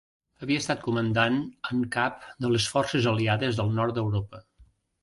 Havia estat comandant en cap de les forces aliades del nord d'Europa.